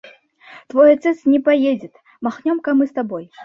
Твой отец не поедет; махнем-ка мы с тобой!